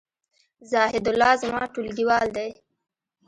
زاهیدالله زما ټولګیوال دی